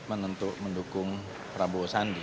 untuk mendukung prabowo sandi